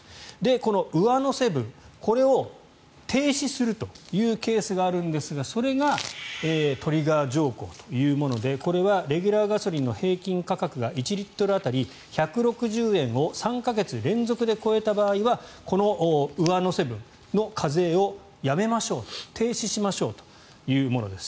この上乗せ分これを停止するというケースがあるんですがそれがトリガー条項というものでこれはレギュラーガソリンの平均価格が１リットル当たり１６０円を３か月連続で超えた場合はこの上乗せ分の課税をやめましょうと停止しましょうというものです。